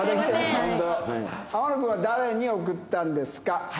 天野君は誰に送ったんですか？